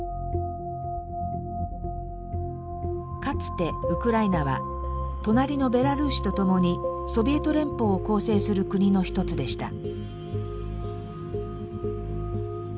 かつてウクライナは隣のベラルーシとともにソビエト連邦を構成する国の１つでした。